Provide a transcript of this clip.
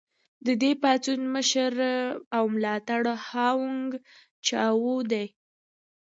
د دې پاڅون مشر او ملاتړی هوانګ چائو و.